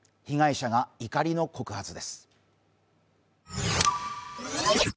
被害者が怒りの告発です。